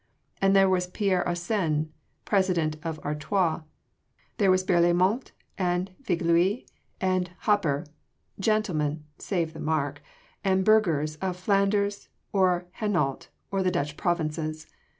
And there was Pierre Arsens, president of Artois, there was de Berlaymont and Viglius and Hopper gentlemen (save the mark!) and burghers of Flanders or Hainault or the Dutch provinces!